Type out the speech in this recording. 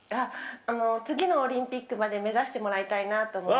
次のオリンピックまで目指してもらいたいなと思います。